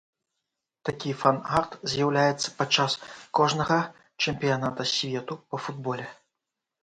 Такі фан-арт з'яўляецца падчас кожнага чэмпіяната свету па футболе.